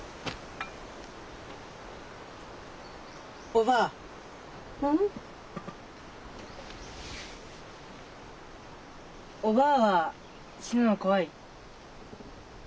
おばぁは死ぬの怖い？